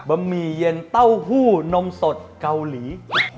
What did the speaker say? หมี่เย็นเต้าหู้นมสดเกาหลี